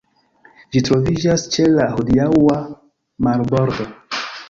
Ĝi troviĝas ĉe la hodiaŭa marbordo.